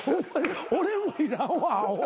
俺もいらんわアホ。